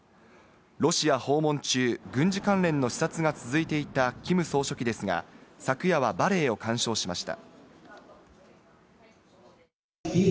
ロシア訪問中、軍事関連の視察が続いていたキム総書記ですが、昨夜はバレエを鑑賞しました。